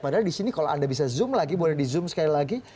padahal di sini kalau anda bisa zoom lagi boleh di zoom sekali lagi